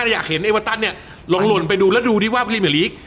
อยากเห็นเอวาตันเนี่ยรวมลนไปดูและดูที่ว่าพริเมอร์ลีก